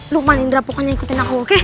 lukwan indra pokoknya ikutin aku oke